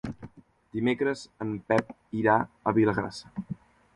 Dimecres en Pep irà a Vilagrassa.